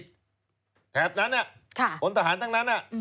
แถบนั้นพลทหารทั้งนั้น